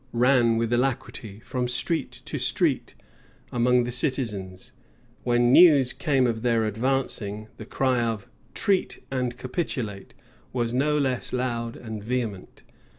ran with alacrity, from street to street, among the citizens: when news came of their advancing, the cry of "Treat and capitulate," was no less loud and vehement.